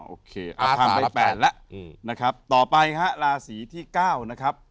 อ๋อโอเคเอาทางไปแปลนแล้วอืมนะครับต่อไปค่ะราศีที่เก้านะครับ